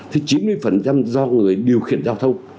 thì chín mươi do người điều khiển giao thông